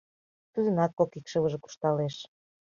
Тудынат кок икшывыже куржталеш.